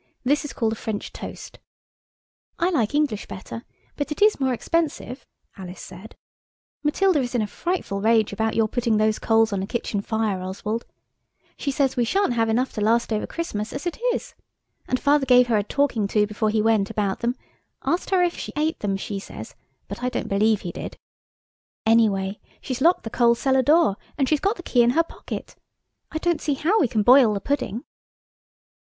This is called French toast. "I like English better, but it is more expensive," Alice said– "Matilda is in a frightful rage about your putting those coals on the kitchen fire, Oswald. She says we shan't have enough to last over Christmas as it is. And Father gave her a talking to before he went about them–asked her if she ate them, she says–but I don't believe he did. Anyway, she's locked the coal cellar door, and she's got the key in her pocket. I don't see how we can boil the pudding."